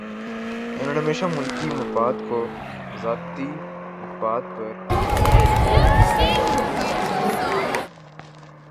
انہوں نے ہمیشہ ملکی مفاد کو ذاتی مفاد پر ترجیح دی۔